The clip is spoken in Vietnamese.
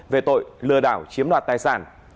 về tội lừa đảo chiếm đoạt tài sản